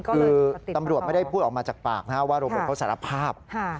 คือตำรวจไม่ได้พูดออกมาจากปากนะครับว่าโรเบิร์ตเขาสารภาพ